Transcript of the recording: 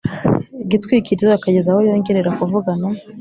gitwikirizo akageza aho yongerera kuvugana